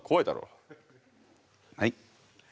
はい。